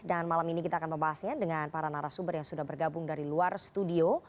dan malam ini kita akan membahasnya dengan para narasumber yang sudah bergabung dari luar studio